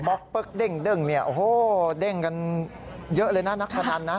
ม็อกเป๊อบเด้งเด้งเนี่ยโอ้โหเด้งกันเยอะเลยนะนักฐานนะ